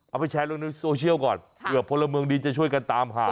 เอาไปแชร์ลงในโซเชียลก่อนเผื่อพลเมืองดีจะช่วยกันตามหา